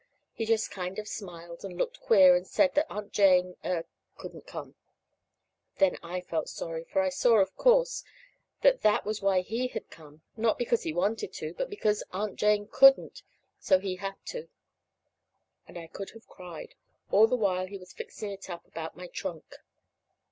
He just kind of smiled, and looked queer, and said that Aunt Jane er couldn't come. Then I felt sorry; for I saw, of course, that that was why he had come; not because he wanted to, but because Aunt Jane couldn't, so he had to. And I could have cried, all the while he was fixing it up about my trunk.